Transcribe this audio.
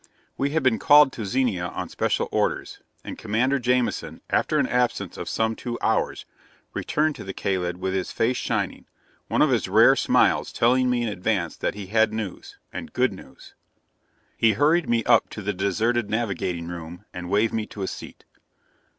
We had been called to Zenia on special orders, and Commander Jamison, after an absence of some two hours, returned to the Kalid with his face shining, one of his rare smiles telling me in advance that he had news and good news. He hurried me up to the deserted navigating room and waved me to a seat.